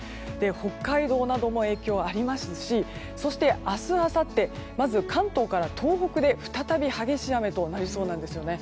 北海道なども影響がありますしそして明日、あさってまず関東から東北で再び激しい雨になりそうなんです。